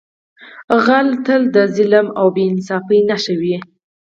غل تل د ظلم او بې انصافۍ نښه وي